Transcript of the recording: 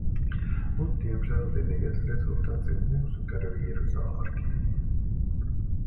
Un diemžēl vienīgais rezultāts ir mūsu karavīru zārki.